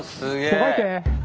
もがいて。